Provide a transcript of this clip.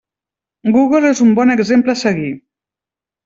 Google és un bon exemple a seguir.